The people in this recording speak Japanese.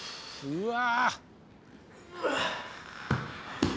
うわ！